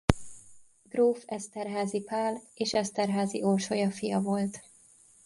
Gróf Esterházy Pál és Esterházy Orsolya fia volt.